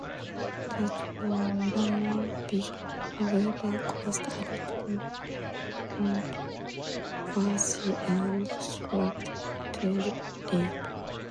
The turnpike however, caused a lot of controversy, and struggled to live.